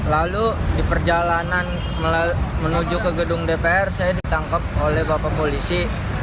lalu di perjalanan menuju ke gedung dpr saya ditangkap oleh bapak polisi